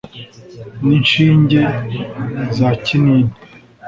N'inshinge za kinini.